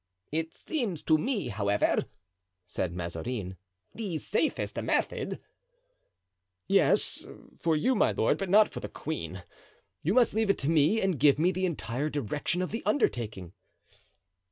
"It seems to me, however," said Mazarin, "the safest method." "Yes, for you, my lord, but not for the queen; you must leave it to me and give me the entire direction of the undertaking."